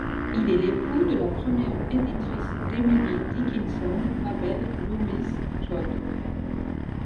Il est l'époux de la première éditrice d'Emily Dickinson, Mabel Loomis Todd.